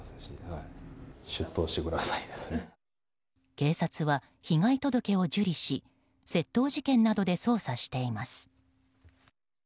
警察は被害届を受理し窃盗事件などで捜査しています。